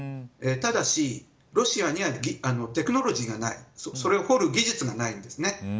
ただし、ロシアにはテクノロジーがないそれを掘る技術がないんです。